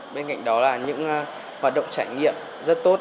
bên cạnh đó là những hoạt động trải nghiệm rất tốt